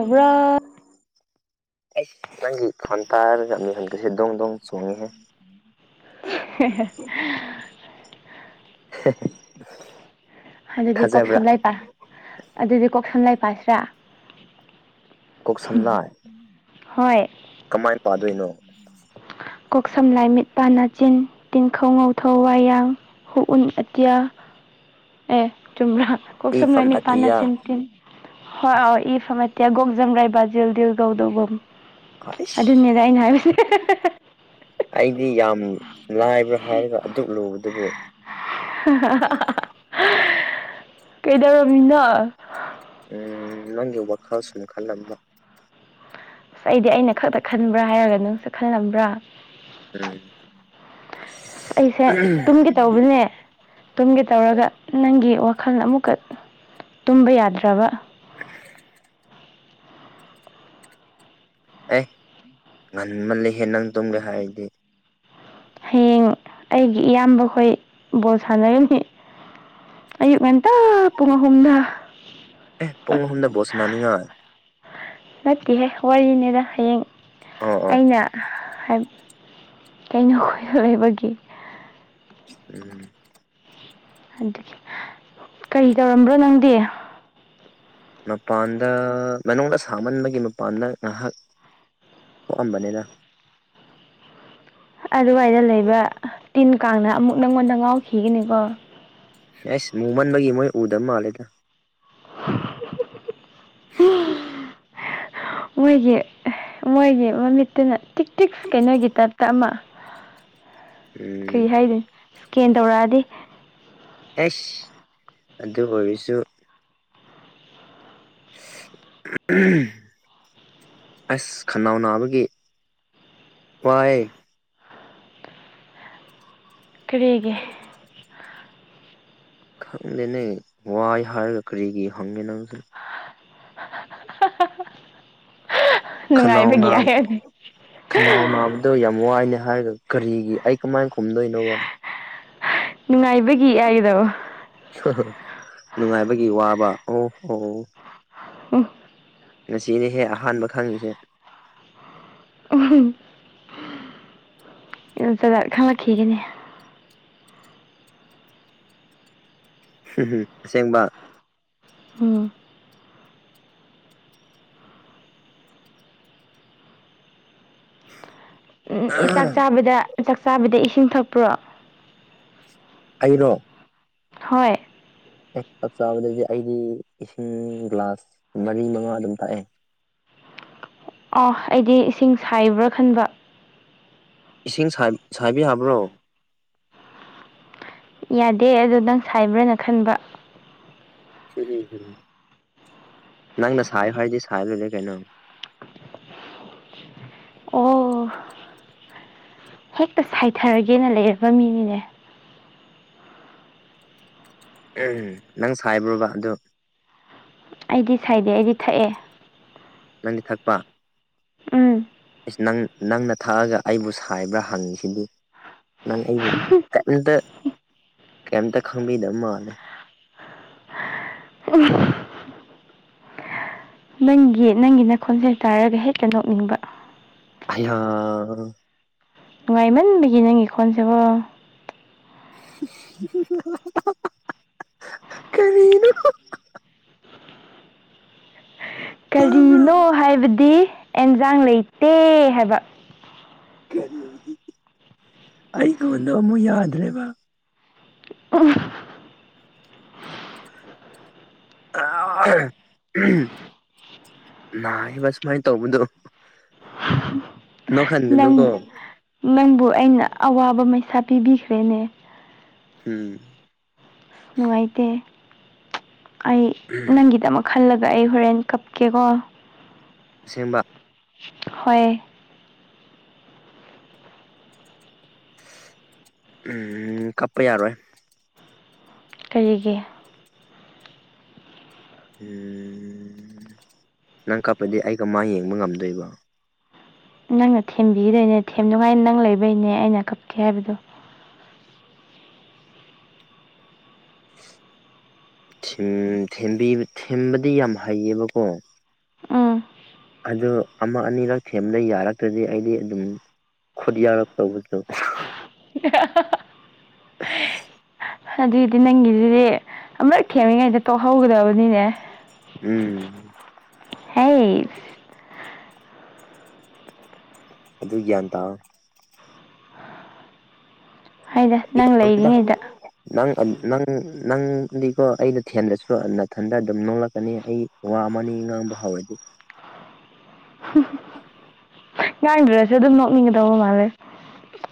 [unintelligible] ꯑꯁ ꯅꯪꯒꯤ ꯈꯣꯟ ꯇꯥꯔꯒ ꯃꯤꯍꯨꯟꯒꯥꯁꯦ ꯗꯨꯡ ꯗꯨꯡ ꯆꯣꯡꯉꯦꯍꯦ [unintelligible] [unintelligible] [unintelligible] ꯑꯗꯨꯗꯤ ꯊꯥꯖꯕ꯭ꯔꯥ ꯀꯣꯛꯁꯝ ꯂꯥꯏ ꯄ ꯑꯗꯨꯗꯤ ꯀꯣꯛꯁꯝ ꯂꯩ ꯄꯥꯁꯤꯔꯥ ꯀꯣꯛ ꯍꯣꯏ ꯀꯃꯥꯏ ꯄꯥꯗꯣꯏꯅꯣ ꯀꯣꯛꯁꯝ ꯂꯥꯏ ꯃꯤꯠ ꯄꯅꯆꯤꯟ ꯇꯤꯟꯈꯧ ꯉꯧꯊꯧ ꯋꯥꯌꯥꯡ ꯍꯨꯛ ꯎꯟ ꯑꯇꯌꯥ ꯑꯦ ꯆꯨꯝ꯭ꯕꯔꯥ ꯀꯣꯛ ꯏ ꯁꯨꯝ ꯐ꯭ꯔꯝ ꯂꯩꯃꯤ ꯄꯥꯟꯅ ꯑꯇꯤꯌꯥ ꯆ ꯇꯤꯟ ꯍꯣꯏ ꯑ ꯏ ꯐꯝ ꯑꯇꯤꯌꯥ ꯒꯣꯛ ꯖꯝ ꯔꯥꯏ ꯕꯥꯖꯤꯜ ꯗꯤꯜ ꯒꯧꯗꯧꯕꯝ ꯑꯩꯁ ꯑꯗꯨꯅꯦꯅ ꯑꯩꯅ ꯍꯥꯏꯕꯁꯦ ꯑꯩꯗꯤ ꯌꯥꯝ ꯂꯥꯏꯕ꯭ꯔꯥ ꯍꯥꯏꯔꯒ ꯑꯗꯨꯛ ꯂꯨꯕꯗꯨꯕꯨ ꯀꯩꯗꯧꯔꯝꯃꯤꯅꯣ ꯎꯝ ꯅꯪꯒꯤ ꯋꯥꯈꯜꯁꯨꯝ ꯈꯜꯂꯝꯕ ꯑꯩꯗꯤ ꯑꯩꯅ ꯈꯛꯇ ꯈꯟꯕ꯭ꯔꯥ ꯍꯥꯏꯔꯒ ꯅꯪꯁꯨ ꯈꯜꯂꯝꯕ꯭ꯔꯥ ꯎꯝ ꯑꯩꯁꯦ ꯇꯨꯡꯒꯤ ꯇꯧꯕꯅꯦ ꯇꯨꯝꯒꯦ ꯇꯧꯔꯒ ꯅꯪꯒꯤ ꯋꯥꯈꯜ ꯑꯃꯨꯛꯀ ꯇꯨꯝꯕ ꯌꯥꯗ꯭ꯔꯕ ꯑꯦ ꯉꯟꯃꯜꯜꯂꯤꯍꯦ ꯅꯪ ꯇꯨꯝꯒꯦ ꯍꯥꯏꯔꯗꯤ ꯍꯌꯦꯡ ꯑꯩꯒꯤ ꯏꯌꯥꯝꯕꯈꯣꯏ ꯕꯣꯜ ꯁꯥꯟꯅꯔꯝꯅꯤ ꯑꯌꯨꯛ ꯉꯟꯇꯥ ꯄꯨꯡ ꯑꯍꯨꯝꯗ ꯑꯦ ꯄꯨꯡ ꯑꯍꯨꯝꯗ ꯕꯣꯜꯁꯅꯥꯅꯤꯉ ꯅꯠꯇꯦꯍꯦ ꯋꯥꯔꯤꯅꯤꯗ ꯍꯌꯦꯡ ꯑꯣ ꯑꯣ ꯑꯩꯅ ꯀꯩꯅꯣ ꯈꯣꯏꯅ ꯂꯩꯕꯒꯤ ꯎꯝ [unintelligible] ꯀꯔꯤ ꯇꯧꯔꯝꯕ꯭ꯔꯣ ꯅꯪꯗꯤ ꯃꯄꯥꯟꯗ ꯃꯅꯨꯡꯗ ꯁꯥꯃꯟꯕꯒꯤ ꯃꯄꯥꯟꯗ ꯉꯥꯏꯍꯥꯛ ꯊꯣꯛꯑꯝꯕꯅꯦꯗ ꯑꯗꯨꯋꯥꯏꯗ ꯂꯩꯕ ꯇꯤꯟ ꯀꯥꯡꯅ ꯑꯃꯨꯛ ꯅꯪꯉꯣꯟꯗ ꯉꯥꯎꯈꯤꯒꯅꯤꯀꯣ ꯁꯦꯁ ꯃꯨꯃꯟꯕꯒꯤ ꯃꯣꯏ ꯎꯗꯕ ꯃꯥꯜꯂꯦꯗ [unintelligible] [unintelligible] ꯃꯣꯏꯒꯤ ꯃꯣꯏꯒꯤ ꯃꯃꯤꯠꯇꯨꯅ ꯇꯤꯛ ꯇꯤꯛ ꯀꯩꯅꯣꯒꯤ ꯇꯥꯏꯞꯇ ꯑꯃ ꯎꯝ ꯀꯔꯤ ꯍꯥꯏꯗꯣꯏꯅꯣ ꯁꯀꯦꯟ ꯇꯧꯔꯛꯑꯗꯤ ꯑꯦꯁ ꯑꯗꯨ ꯑꯣꯏꯔꯁꯨ [inaudible] ꯑꯁ ꯈꯅꯥꯎ ꯅꯥꯕꯒꯤ ꯋꯥꯏ ꯀꯔꯤꯒꯤ ꯈꯪꯗꯦꯅꯦ ꯋꯥꯏ ꯍꯥꯏꯔꯒ ꯀꯔꯤꯒꯤ ꯍꯡꯉꯦ ꯅꯪꯁꯨ ꯈꯅꯥꯎ ꯅꯥ ꯅꯨꯡꯉꯥꯏꯕꯒꯤ ꯍꯥꯏꯔꯅꯤ ꯈꯅꯥꯎ ꯅꯥꯕꯗꯣ ꯌꯥꯝ ꯋꯥꯏꯅꯦ ꯍꯥꯏꯔꯒ ꯀꯔꯤꯒꯤ ꯑꯩ ꯀꯃꯥꯏꯅ ꯈꯨꯝꯗꯣꯏꯅꯣꯕ ꯅꯨꯡꯉꯥꯏꯕꯒꯤ ꯍꯥꯏꯒꯗꯕ ꯅꯨꯡꯉꯥꯏꯕꯒꯤ ꯋꯥꯕ ꯑꯣ ꯐꯣ ꯍꯝ ꯉꯁꯤꯗꯤ ꯍꯦꯛ ꯑꯍꯥꯟꯕ ꯈꯪꯉꯤꯁꯦ [inaudible] ꯌꯥꯝ ꯖꯥꯠ ꯖꯥꯠ ꯈꯪꯂꯛꯈꯤꯒꯅꯤ ꯑꯁꯦꯡꯕ ꯎꯝ ꯎꯝ ꯎ ꯆꯥꯛ ꯆꯥꯕꯗ ꯆꯥꯛ ꯆꯥꯕꯗ ꯏꯁꯤꯡ ꯊꯛꯄ꯭ꯔꯣ ꯑꯩꯩꯔꯣ ꯍꯣꯏ ꯑꯦ ꯆꯥꯛ ꯆꯥꯕꯗꯗꯤ ꯑꯩꯗꯤ ꯏꯁꯤꯡ ꯒ꯭ꯂꯥꯁ ꯃꯔꯤ ꯃꯉꯥ ꯑꯗꯨꯝ ꯊꯛꯑꯦ ꯑꯥ ꯑꯩꯗꯤ ꯏꯁꯤꯡ ꯁꯥꯏꯕ꯭ꯔꯥ ꯈꯟꯕ ꯏꯁꯤꯡ ꯁꯥꯏꯕ ꯁꯥꯏꯕ ꯌꯥꯕ꯭ꯔꯣ ꯌꯥꯗꯦ ꯑꯗꯨ ꯅꯪ ꯁꯥꯏꯕ꯭ꯔꯅ ꯈꯟꯕ ꯀꯔꯤꯒꯤꯅꯣ ꯅꯪꯅ ꯁꯥꯏꯌꯣ ꯍꯥꯏꯗꯤ ꯁꯥꯏ ꯂꯣꯏꯔꯦ ꯀꯩꯅꯣ ꯑꯣ ꯍꯦꯛꯇ ꯁꯥꯏꯊꯔꯒꯦꯅ ꯂꯩꯔꯕ ꯃꯤꯅꯤꯅꯦ ꯎꯝ ꯅꯪ ꯁꯥꯏꯕ꯭ꯔꯣꯕ ꯑꯗꯨ ꯑꯩꯗꯤ ꯁꯥꯏꯗꯦ ꯑꯩꯗꯤ ꯊꯛꯑꯦ ꯅꯪꯗꯤ ꯊꯛꯄ ꯎꯝ ꯏꯁ ꯅꯪ ꯅꯪꯅ ꯊꯛꯑꯒ ꯑꯩꯕꯨ ꯁꯥꯏꯕ꯭ꯔꯥ ꯍꯪꯉꯤꯁꯤꯗꯤ ꯅꯪ ꯑꯩꯕꯨ ꯀꯩꯝꯇ ꯀꯩꯝꯇ ꯈꯪꯕꯤꯗꯕ ꯃꯥꯜꯂꯦ [inaudible] ꯅꯪꯒꯤ ꯅꯪꯒꯤ ꯅꯈꯣꯟꯁꯦ ꯇꯥꯔꯒ ꯍꯦꯛꯇ ꯅꯣꯛꯅꯤꯡꯕ ꯑꯩꯌꯥ ꯅꯨꯡꯉꯥꯏꯃꯟꯕꯒꯤ ꯅꯪꯒꯤ ꯈꯣꯟꯁꯦꯀꯣ [inaudible] ꯀꯔꯤꯅꯣ ꯇꯥꯕ꯭ꯔꯥ ꯀꯔꯤꯅꯣ ꯍꯥꯏꯕꯗꯤ ꯑꯦꯟꯖꯥꯡ ꯂꯩꯇꯦ ꯍꯥꯏꯕ ꯀꯔꯤꯒꯤ ꯑꯩꯈꯣꯟ ꯗꯣ ꯑꯃꯨꯛ ꯌꯥꯗ꯭ꯔꯦꯕ ꯎꯝ [inaudible] ꯅꯥꯏꯌꯦꯕ ꯁꯨꯃꯥꯏꯅ ꯇꯧꯕꯗꯣ ꯅꯣꯛꯍꯟꯒꯅꯨꯒꯣ ꯅꯪ ꯅꯪꯕꯨ ꯑꯩꯅ ꯑꯋꯥꯕ ꯃꯩꯁꯥ ꯄꯤꯕꯤꯈ꯭ꯔꯦꯅꯦ ꯎꯝ ꯅꯨꯡꯉꯥꯏꯇꯦ ꯑꯩ ꯅꯪꯒꯤꯗꯃꯛ ꯈꯜꯂꯒ ꯑꯩ ꯍꯣꯔꯦꯟ ꯀꯞꯀꯦꯀꯣ ꯑꯁꯦꯡꯕ ꯍꯣꯏ ꯎꯨꯝ ꯀꯞꯄ ꯌꯥꯔꯣꯏ ꯀꯩꯒꯤ ꯎꯨꯝ ꯅꯪ ꯀꯞꯄꯗꯤ ꯑꯩ ꯀꯃꯥꯏ ꯌꯦꯡꯕ ꯉꯝꯗꯣꯏꯕ ꯅꯪꯅ ꯊꯦꯝꯕꯤꯗꯣꯏꯅꯦ ꯊꯦꯝꯅꯤꯉꯥꯏ ꯅꯪ ꯂꯩꯕꯩꯅꯦ ꯑꯩꯅ ꯀꯞꯀꯦ ꯍꯥꯏꯕꯗꯣ ꯊꯦꯝ ꯊꯦꯝꯕꯤ ꯊꯦꯝꯕꯗꯤ ꯌꯥꯝ ꯍꯩꯌꯦꯕꯀꯣ ꯎꯝ ꯑꯗꯨ ꯑꯃ ꯑꯅꯤꯔꯛ ꯊꯦꯝꯕꯗ ꯌꯥꯔꯛꯇ꯭ꯔꯗꯤ ꯑꯩꯗꯤ ꯑꯗꯨꯝ ꯈꯨꯠ ꯌꯥꯎꯔꯛꯇꯧꯕꯗꯣ ꯑꯦ ꯍꯥ ꯍꯥ ꯑꯁ ꯑꯗꯨꯗꯤ ꯅꯪꯒꯤꯁꯤꯗꯤ ꯑꯃꯨꯔꯛ ꯊꯦꯝꯃꯤꯉꯩꯗ ꯇꯣꯛꯍꯧꯒꯗꯕꯅꯤꯅꯦ ꯎꯨꯝ ꯍꯦꯁ ꯑꯗꯨ ꯒ꯭ꯌꯥꯟ ꯇꯥꯎ ꯍꯣꯏꯗ ꯅꯪ ꯂꯩꯔꯤꯉꯩꯗ ꯅꯪ ꯑꯥ ꯅꯪ ꯅꯪꯗꯤꯀꯣ ꯑꯩꯅ ꯊꯦꯝꯗꯔꯁꯨ ꯅꯊꯟꯗ ꯑꯗꯨꯝ ꯅꯣꯛꯂꯛꯀꯅꯤ ꯑꯩ ꯋꯥ ꯑꯃꯅꯤ ꯉꯥꯡꯕ ꯍꯧꯔꯗꯤ ꯉꯥꯡꯗ꯭ꯔꯁꯨ ꯑꯗꯨꯝ ꯅꯣꯛꯅꯤꯡꯒꯗꯧꯕ ꯃꯥꯜꯂꯦ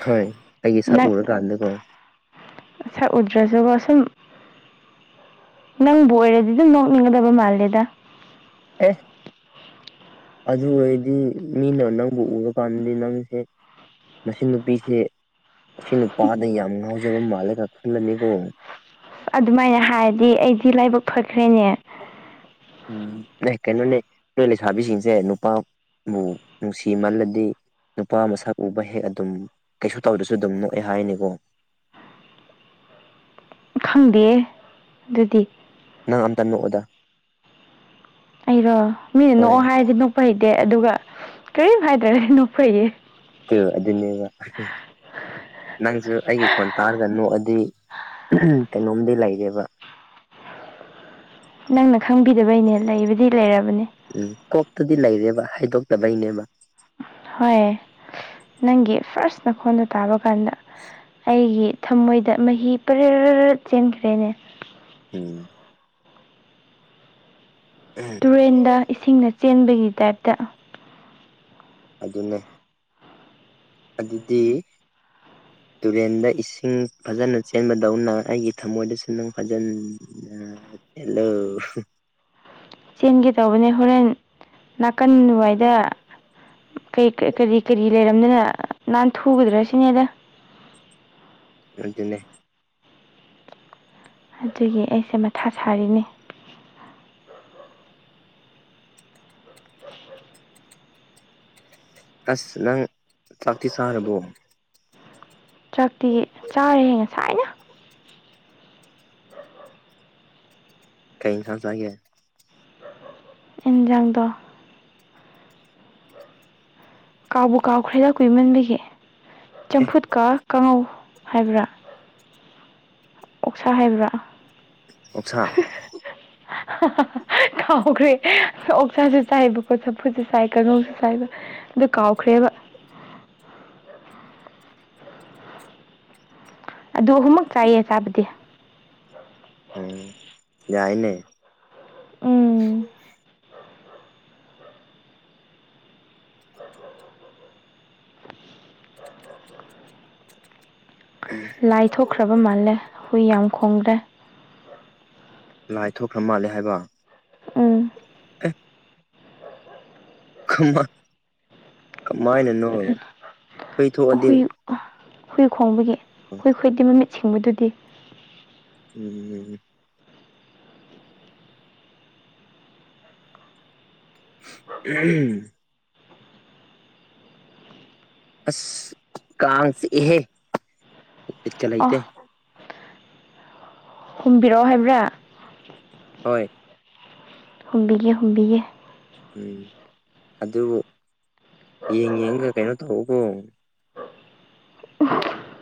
ꯍꯣꯏ ꯑꯩꯒꯤ ꯁꯛ ꯅꯪ ꯎꯔꯀꯥꯟꯗꯀꯣ ꯁꯛ ꯎꯗ꯭ꯔꯁꯨꯀꯣ ꯁꯨꯝ ꯅꯪꯕꯨ ꯑꯣꯏꯔꯗꯤ ꯑꯗꯨꯝ ꯅꯣꯛꯅꯤꯡꯒꯗꯕ ꯃꯥꯜꯂꯦꯗ ꯑꯦꯁ ꯑꯗꯨ ꯑꯣꯏꯔꯗꯤ ꯃꯤꯅ ꯅꯪꯕꯨ ꯎꯔꯀꯥꯟꯗꯗꯤ ꯅꯪꯁꯦ ꯃꯁꯤ ꯅꯨꯄꯤꯁꯦ ꯑꯁꯤ ꯅꯨꯄꯥꯗ ꯌꯥꯝ ꯉꯥꯎꯖꯕ ꯃꯥꯜꯂꯦꯒ ꯈꯜꯂꯅꯤꯀꯣ ꯑꯗꯨꯃꯥꯏꯅ ꯍꯥꯏꯔꯗꯤ ꯑꯩꯗꯤ ꯂꯥꯏꯕꯛ ꯐꯈ꯭ꯔꯦꯅꯦ ꯎꯝ ꯅꯦ ꯀꯩꯅꯣꯅꯦ ꯅꯣꯏ ꯂꯩꯁꯥꯕꯤꯁꯤꯡꯁꯦ ꯅꯨꯄꯥ ꯕꯨ ꯅꯨꯡꯁꯤꯃꯜꯂꯗꯤ ꯅꯨꯄꯥ ꯃꯁꯛ ꯎꯕ ꯍꯦꯛ ꯑꯗꯨꯝ ꯀꯩꯁꯨ ꯇꯧꯗꯁꯨ ꯑꯗꯨꯝ ꯅꯣꯛꯑꯦ ꯍꯥꯏꯅꯦꯀꯣ ꯈꯪꯗꯦ ꯑꯗꯨꯗꯤ ꯅꯪ ꯑꯝꯇ ꯅꯣꯛꯑꯣꯗ ꯑꯩꯔꯣ ꯃꯤꯅ ꯅꯣꯛꯑꯣ ꯍꯣꯏ ꯍꯥꯏꯔꯗꯤ ꯅꯣꯛꯄ ꯍꯩꯇꯦ ꯑꯗꯨꯒ ꯀꯔꯤꯝ ꯍꯥꯏꯗ꯭ꯔꯦ ꯅꯣꯛꯄ ꯍꯩꯌꯦ ꯑꯦ ꯑꯗꯨꯗꯕ ꯅꯪꯁꯨ ꯑꯩꯒꯤ ꯈꯣꯟ ꯇꯥꯔꯒ ꯅꯣꯛꯑꯗꯤ ꯑꯍ ꯀꯩꯅꯣꯝꯗꯤ ꯂꯩꯔꯦꯕ ꯅꯪꯅ ꯈꯪꯕꯤꯗꯕꯩꯅꯦ ꯂꯩꯕꯗꯤ ꯂꯩꯔꯕꯅꯦ ꯎꯝ ꯀꯣꯛꯇꯗꯤ ꯂꯩꯔꯦꯕ ꯍꯥꯏꯗꯣꯛꯇꯕꯩꯅꯦꯕ ꯍꯣꯏ ꯅꯪꯒꯤ ꯐ꯭ꯔꯥꯁ ꯅꯈꯣꯟꯗꯣ ꯇꯥꯕ ꯀꯥꯟꯗ ꯑꯩꯒꯤ ꯊꯃꯣꯏꯗ ꯃꯍꯤ ꯄꯔꯦ ꯆꯦꯟꯈ꯭ꯔꯦꯅꯦ ꯎꯨꯝ ꯎꯨ ꯇꯨꯔꯦꯟꯗ ꯏꯁꯤꯡꯅ ꯆꯦꯟꯕꯒꯤ ꯇꯥꯏꯞꯇ ꯑꯗꯨꯅꯦ ꯑꯗꯨꯗꯤ ꯇꯨꯔꯦꯟꯗ ꯏꯁꯤꯡ ꯐꯖꯅ ꯆꯦꯟꯕꯗꯧꯅ ꯑꯩꯒꯤ ꯊꯃꯣꯏꯗꯁꯨ ꯅꯪ ꯐꯖꯟ [unintelligible] ꯍꯦꯜꯂꯣ ꯆꯦꯟꯒꯦ ꯇꯧꯕꯅꯦ ꯍꯣꯔꯦꯟ ꯅꯥꯀꯟ ꯋꯥꯏꯗ ꯀꯔꯤ ꯀꯔꯤ ꯂꯩꯔꯝꯗꯅ ꯅꯥꯟ ꯊꯨꯒꯗ꯭ꯔꯁꯤꯅꯦꯗ [unintelligible] ꯑꯗꯨꯒꯤ ꯑꯩꯁꯦ ꯃꯊꯥ ꯁꯥꯔꯤꯅꯤ ꯑꯁ ꯅꯪ ꯆꯥꯛꯇꯤ ꯆꯥꯔꯕꯣ ꯆꯥꯛꯇꯤ ꯆꯥꯔꯦ ꯍꯦ ꯉꯁꯥꯏꯅ ꯀꯩ ꯏꯟꯁꯥꯡ ꯆꯥꯒꯦ ꯏꯟꯖꯥꯡꯗꯣ ꯀꯥꯎꯕꯨ ꯀꯥꯎꯈ꯭ꯔꯦꯗ ꯀꯨꯏꯃꯟꯕꯤꯒꯦ ꯑꯦ ꯆꯝꯐꯨꯠꯀ ꯀꯥꯡꯉꯧ ꯍꯥꯏꯕ꯭ꯔꯥ ꯑꯣꯛꯁꯥ ꯍꯥꯏꯕ꯭ꯔꯥ ꯑꯣꯛꯁꯥ [unintelligible] ꯀꯥꯎꯈ꯭ꯔꯦ ꯑꯣꯛꯁꯥꯁꯨ ꯆꯥꯏꯕꯀꯣ ꯆꯝꯐꯨꯁꯨ ꯆꯥꯏ ꯀꯪꯉꯧꯡꯁꯨ ꯆꯥꯏꯕ ꯑꯗꯨ ꯀꯥꯎꯈ꯭ꯔꯦꯕ ꯑꯗꯨ ꯑꯍꯨꯝꯃꯛ ꯆꯥꯏꯌꯦ ꯆꯥꯕꯗꯤ ꯎꯝ ꯌꯥꯏꯅꯦ ꯎꯝ ꯂꯥꯏ ꯊꯣꯛꯈ꯭ꯔꯕ ꯃꯥꯜꯂꯦ ꯍꯨꯏ ꯌꯥꯝ ꯈꯣꯡꯈ꯭ꯔꯦ ꯂꯥꯏ ꯊꯣꯛꯈ꯭ꯔ ꯃꯥꯂꯦ ꯍꯥꯏꯕ ꯎꯝ ꯑꯦ ꯀꯃ ꯀꯃꯥꯏꯅꯅꯣ ꯍꯨꯏ ꯊꯣꯛꯑꯗꯤ ꯍꯨꯏ ꯈꯣꯡꯕꯒꯤ ꯍꯨꯏ ꯍꯨꯏꯗꯤ ꯃꯤꯠ ꯁꯤꯡꯕꯗꯨꯗꯤ ꯎꯝ ꯎꯝ [unintelligible] ꯑꯁ ꯀꯥꯡ ꯆꯤꯛꯑꯦꯍꯦ ꯕꯤꯠꯀ ꯑꯣ ꯂꯩꯇꯦ ꯍꯨꯝꯕꯤꯔꯛꯑꯣ ꯍꯥꯏꯕ꯭ꯔꯥ ꯍꯣꯏ ꯍꯨꯝꯕꯤꯒꯦ ꯍꯨꯝꯕꯤꯒꯦ ꯎꯝ ꯑꯗꯨꯕꯨ ꯌꯦꯡ ꯌꯦꯡꯒ ꯀꯩꯅꯣ ꯇꯧꯎꯀꯣ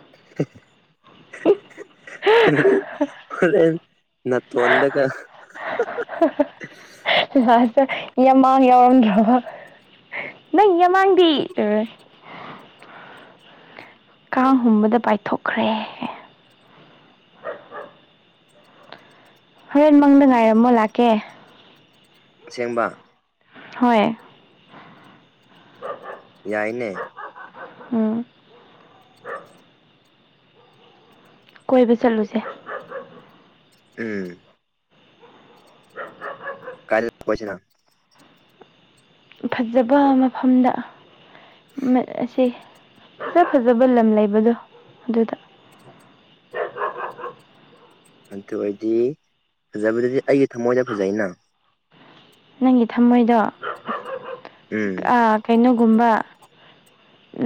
[unintelligible] ꯍꯣꯔꯦꯟ ꯅꯇꯣꯟꯗꯒ ꯂꯥꯁꯇ ꯌꯥꯝꯃꯥꯡ ꯌꯥꯎꯔꯝꯗ꯭ꯔꯕ ꯅꯪ ꯌꯥꯝꯃꯥꯡꯗꯤ ꯇꯧꯔꯦ ꯀꯥꯡ ꯍꯨꯝꯕꯗ ꯄꯥꯏꯊꯣꯛꯈ꯭ꯔꯦ ꯍꯣꯔꯦꯟ ꯃꯪꯗ ꯉꯥꯏꯔꯝꯃꯣ ꯂꯥꯛꯀꯦ ꯑꯁꯦꯡꯕ ꯍꯣꯏ ꯌꯥꯏꯅꯦ ꯎꯝ ꯀꯣꯏꯕ ꯆꯠꯂꯨꯁꯦ ꯎꯝ ꯀꯥꯏꯗ ꯀꯣꯏꯁꯦꯅꯣ ꯐꯖꯕ ꯃꯐꯝꯗ ꯃꯥ ꯑꯁꯤ ꯐꯖ ꯐꯖꯕ ꯂꯝ ꯂꯩꯕꯗꯣ ꯑꯗꯨꯗ ꯑꯗꯨ ꯑꯣꯏꯗꯤ ꯐꯖꯕꯗꯗꯤ ꯑꯩꯒꯤ ꯊꯃꯣꯏꯗ ꯐꯖꯩꯅ ꯅꯪꯒꯤ ꯊꯝꯃꯣꯏꯗꯣ ꯎꯝ ꯑꯥ ꯀꯩꯅꯣꯒꯨꯝꯕ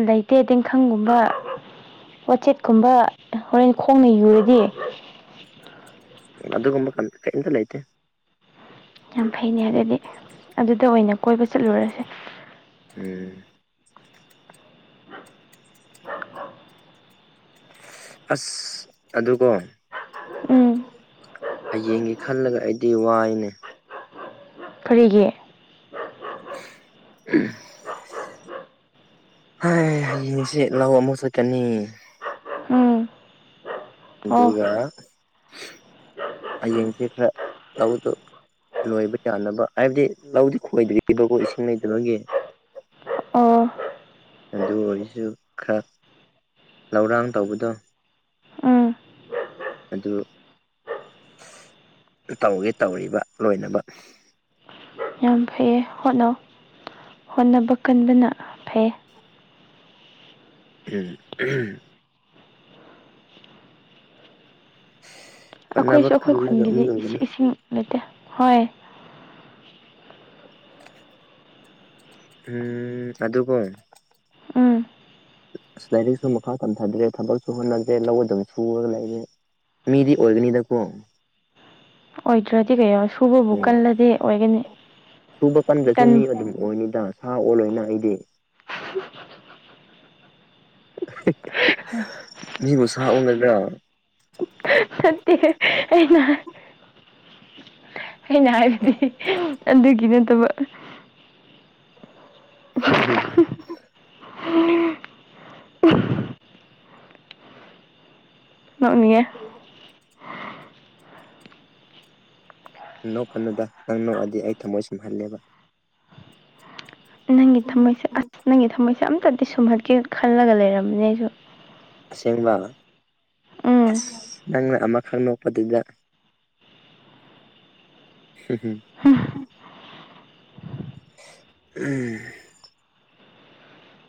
ꯂꯩꯇꯦ ꯇꯦꯡꯈꯪꯒꯨꯝꯕ ꯋꯥꯆꯦꯠꯀꯨꯝꯕ ꯍꯣꯔꯦꯟ ꯈꯣꯡꯅ ꯌꯨꯔꯗꯤ ꯑꯗꯨꯒꯨꯝꯕ ꯀꯝ ꯀꯩꯝꯇꯥ ꯂꯩꯇꯦ ꯌꯥꯝ ꯐꯩꯅꯦ ꯑꯗꯨꯗꯤ ꯑꯗꯨꯗ ꯑꯣꯏꯅ ꯀꯣꯏꯕ ꯆꯠꯂꯨꯔꯁꯦ ꯎꯝ ꯑꯁ ꯑꯗꯨ ꯀꯣ ꯎꯝ ꯍꯌꯦꯡꯒꯤ ꯈꯜꯂꯒ ꯑꯩꯗꯤ ꯋꯥꯏꯅꯦ ꯐꯔꯤꯒꯤ ꯎꯝ ꯍꯥꯏ ꯍꯌꯦꯡꯁꯤ ꯂꯧ ꯑꯃꯨꯛ ꯆꯠꯀꯥꯅꯤ ꯎꯝ ꯑꯣ ꯑꯗꯨꯒ ꯍꯌꯦꯡꯁꯦ ꯈꯔ ꯂꯧꯗꯣ ꯂꯣꯏꯕ ꯌꯥꯅꯕ ꯍꯥꯏꯕꯗꯤ ꯂꯧꯗꯤ ꯈꯣꯏꯗ꯭ꯔꯤꯕꯀꯣ ꯏꯁꯤꯡ ꯂꯩꯇꯕꯒꯤ ꯑꯣ ꯑꯗꯨ ꯑꯣꯏꯖꯨ ꯈꯔ ꯂꯧꯔꯥꯡ ꯇꯧꯕꯗꯣ ꯎꯝ ꯑꯗꯨ ꯇꯧꯒꯦ ꯇꯧꯔꯤꯕ ꯂꯣꯏꯅꯕ ꯌꯥꯝ ꯐꯩꯌꯦ ꯍꯣꯠꯅꯧ ꯍꯣꯠꯅꯕ ꯀꯟꯕꯅ ꯐꯩꯌꯦ ꯎꯝ ꯎꯝ ꯍꯣꯠꯅꯕ ꯑꯈꯣꯏꯁꯨ ꯑꯈꯣꯏ ꯀꯜꯂꯒ ꯃꯤ ꯈꯨꯟꯒꯤꯗꯤ ꯏꯁꯤ ꯑꯣꯏꯒꯅꯤ ꯏꯁꯤꯡ ꯂꯩꯇꯦ ꯍꯣꯏ ꯎꯝ ꯑꯗꯨꯀꯣ ꯎꯝ ꯑꯁ ꯂꯥꯏꯔꯤꯛꯁꯨ ꯃꯈꯥ ꯇꯝꯊꯗ꯭ꯔꯦ ꯊꯕꯛꯁꯨ ꯍꯣꯠꯅꯗ꯭ꯔꯦ ꯂꯧ ꯑꯗꯨꯝ ꯁꯨꯔꯒ ꯂꯩꯔꯦ ꯃꯤꯗꯤ ꯑꯣꯏꯒꯅꯤꯗꯀꯣ ꯑꯣꯏꯗ꯭ꯔꯥꯗꯤ ꯀꯩꯩꯅꯣ ꯁꯨꯕꯕꯨ ꯎꯝ ꯀꯜꯂꯗꯤ ꯑꯣꯏꯒꯅꯤ ꯁꯨꯕ ꯀꯟꯗ꯭ꯔꯁꯨ ꯇꯟ ꯃꯤ ꯑꯗꯨꯝ ꯑꯣꯏꯅꯤꯗ ꯁꯥ ꯑꯣꯜꯂꯣꯏꯅ ꯑꯩꯗꯤ ꯃꯤꯕꯨ ꯁꯥ ꯑꯣꯟꯒꯗ꯭ꯔꯣ ꯅꯠꯇꯦꯍꯦ ꯑꯩꯅ ꯍꯥꯏ ꯑꯩꯅ ꯍꯥꯏꯕꯗꯤ ꯑꯗꯨꯒꯤ ꯅꯠꯇꯕ ꯍꯝ ꯅꯣꯛꯅꯤꯡꯉꯦ ꯅꯣꯛꯀꯥꯅꯨꯗ ꯅꯪ ꯅꯣꯛꯑꯗꯤ ꯑꯩ ꯊꯝꯃꯣꯏ ꯁꯨꯝꯍꯠꯂꯦꯕ ꯅꯪꯒꯤ ꯊꯝꯃꯣꯏꯁꯦ ꯑꯁ ꯅꯪꯒꯤ ꯊꯝꯃꯣꯏꯁꯦ ꯑꯝꯇꯥꯗꯤ ꯁꯨꯝꯍꯠꯀꯦ ꯈꯜꯂꯒ ꯂꯩꯔꯝꯅꯦ ꯑꯩꯁꯨ ꯑꯁꯦꯡꯕ ꯎꯝ ꯑꯁ ꯅꯪꯅ ꯑꯃꯥꯈꯛ ꯅꯣꯛꯄꯗꯨꯗ ꯍꯝ ꯍꯝ ꯎꯝ